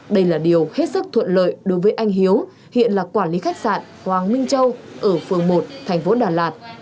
đây là điều hết sức thuận lợi đối với anh hiếu hiện là quản lý khách sạn hoàng minh châu ở phường một thành phố đà lạt